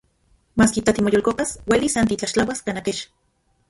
Maski, tla timoyolkopas, uelis san titlaxtlauas kanaj kech.